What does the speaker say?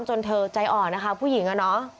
จนเธอใจอ่อนนะคะผู้หญิงอะเนาะ